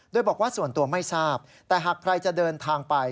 โดยบอกว่าส่วนตัวไม่ทราบแต่หากใครจะเดินทางไป